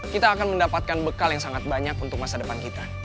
kita akan mendapatkan bekal yang sangat banyak untuk masa depan kita